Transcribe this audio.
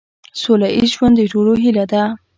سوله ایز ژوند د ټولو هیله ده.